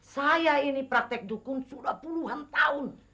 saya ini praktek dukung sudah puluhan tahun